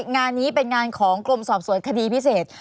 งานนี้เป็นงานของกรมสอบสวนคดีพิเศษ